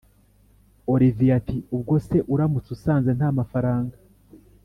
olivier ati”ubwo se uramutse usanze ntamafaranga